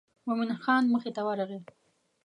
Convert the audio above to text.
مومن خان مخې ته ورغی.